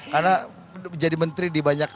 karena menjadi menteri di banyak